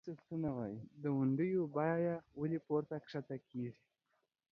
دونډیو بیه ولۍ پورته کښته کیږي؟